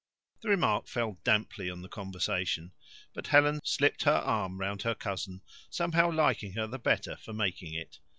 The remark fell damply on the conversation. But Helen slipped her arm round her cousin, somehow liking her the better for making it.